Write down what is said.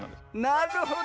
なるほど。